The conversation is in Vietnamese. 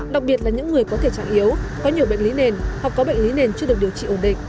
đặc biệt là những người có thể trạng yếu có nhiều bệnh lý nền hoặc có bệnh lý nền chưa được điều trị ổn định